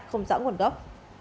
không rõ nguồn gốc